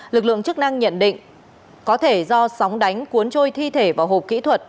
lực lượng chức năng nhận định có thể do sóng đánh cuốn trôi thi thể vào hộp kỹ thuật